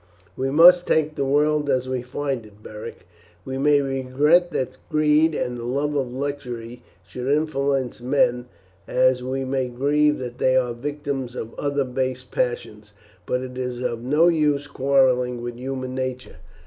"We must take the world as we find it, Beric. We may regret that greed and the love of luxury should influence men, as we may grieve that they are victims of other base passions; but it is of no use quarrelling with human nature.